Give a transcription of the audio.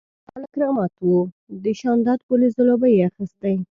خلک رامات وو، د شانداپولي ځلوبۍ یې اخيستې.